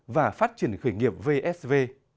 và phát triển khởi nghiệp vsv